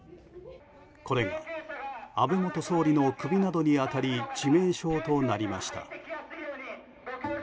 これが安倍元総理の首などに当たり致命傷となりました。